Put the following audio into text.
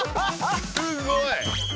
すごい！